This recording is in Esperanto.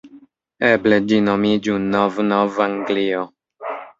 Eble ĝi nomiĝu Nov-Nov-Anglio.